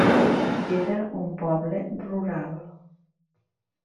Era un poble rural.